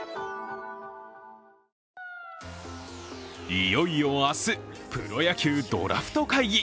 いよいよ明日、プロ野球ドラフト会議。